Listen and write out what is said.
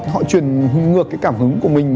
họ truyền ngược cái cảm hứng của mình